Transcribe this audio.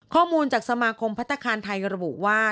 ข้อมูลจากสมาคมพัฒนาคารไทยระบุว่า